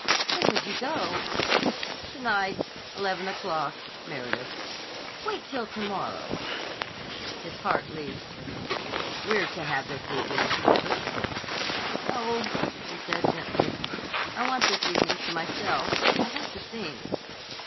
"When would you go?" "To night. Eleven o'clock. Meredith." "Wait till to morrow." His heart leaped. "We're to have this evening together?" "No," she said gently. "I want this evening to myself. I have to think."